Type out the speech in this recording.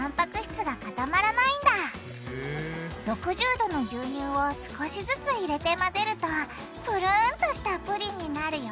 ℃の牛乳を少しずつ入れて混ぜるとぷるんとしたプリンになるよ！